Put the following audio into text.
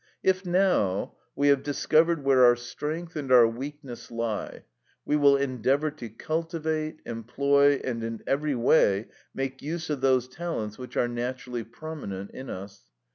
If, now, we have discovered where our strength and our weakness lie, we will endeavour to cultivate, employ, and in every way make use of those talents which are naturally prominent in us.